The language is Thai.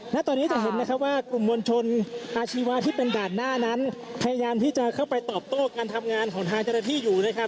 ณตอนนี้จะเห็นนะครับว่ากลุ่มมวลชนอาชีวะที่เป็นด่านหน้านั้นพยายามที่จะเข้าไปตอบโต้การทำงานของทางเจ้าหน้าที่อยู่นะครับ